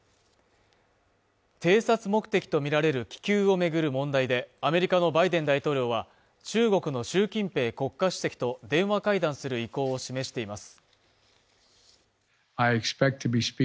偵察目的とみられる気球をめぐる問題でアメリカのバイデン大統領は中国の習近平国家主席と電話会談する意向を示しています